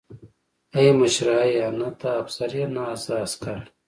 ای مشره ای نه ته افسر يې نه زه عسکر.